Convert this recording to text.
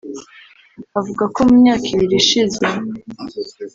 Avuga ko mu myaka ibiri ishize